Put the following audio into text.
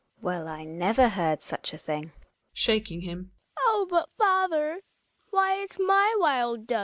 Well I never heard such a thing. Hedvig (shaking him). Oh \ but father — why it's my wild duck.